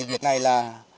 việc này là